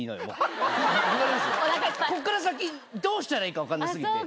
こっから先どうしたらいいか分かんな過ぎて。